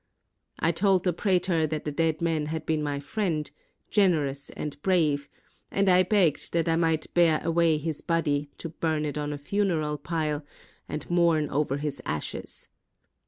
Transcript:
I told the praetor that the dead man had been my friend, generous and brave, and I begged that I might bear away his body, to bum it on a funeral pile 362 SPARTACUS TO THE GLADIATORS and mourn over its ashes.